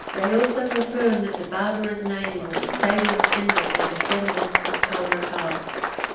Thev also affirm that the barbarous name in which the Saviour ascended and descended, is Caulacau.